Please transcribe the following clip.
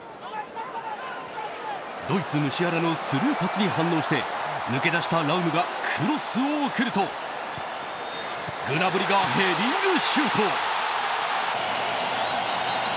ドイツ、ムシアラのスルーパスに反応して抜け出したラウムがクロスを送るとグナブリがヘディングシュート！